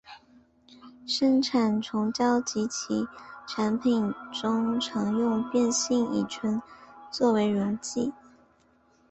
生产虫胶及其产品中常用变性乙醇作为溶剂。